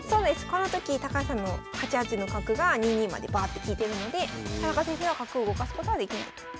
この時高橋さんの８八の角が２二までバーッて利いてるので田中先生は角を動かすことはできないと。